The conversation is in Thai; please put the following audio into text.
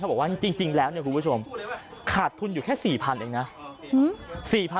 เขาบอกว่าจริงแล้วคุณผู้ชมขาดทุนอยู่แค่๔๐๐๐บาทเองนะ